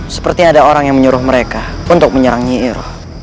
sepertinya ada orang yang menyuruh mereka untuk menyerang yira